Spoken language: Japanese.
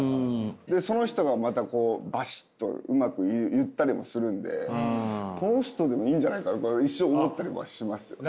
でその人がまたこうバシッとうまく言ったりもするんでこの人でもいいんじゃないかな一瞬思ったりもしますよね。